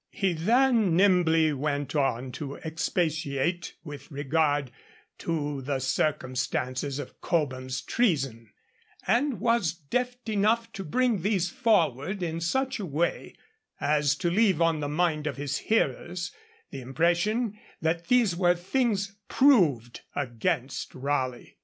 He then nimbly went on to expatiate with regard to the circumstances of Cobham's treason, and was deft enough to bring these forward in such a way as to leave on the mind of his hearers the impression that these were things proved against Raleigh.